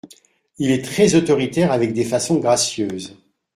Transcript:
Il est très autoritaire avec des façons gracieuses.